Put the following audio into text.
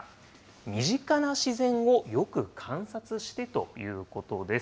身近な自然をよく観察してということです。